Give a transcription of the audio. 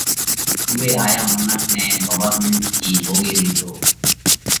اُوئي هائيا منک نئہ ڳورمنٽ ٿِي مونڳي لِيڌو۔